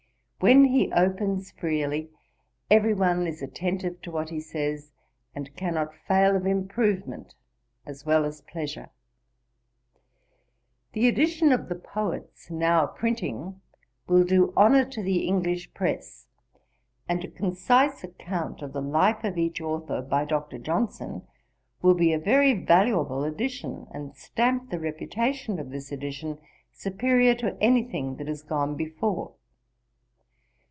When he opens freely, every one is attentive to what he says, and cannot fail of improvement as well as pleasure. 'The edition of The Poets, now printing, will do honour to the English press; and a concise account of the life of each authour, by Dr. Johnson, will be a very valuable addition, and stamp the reputation of this edition superiour to any thing that is gone before.